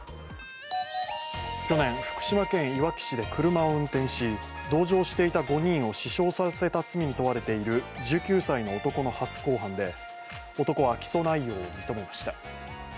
去年、福島県いわき市で車を運転し同乗していた５人を死傷させた罪に問われている１９歳の男の初公判で、男は起訴内容を認めました。